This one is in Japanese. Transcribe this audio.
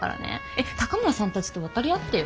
えっ高村さんたちと渡り合ってよ？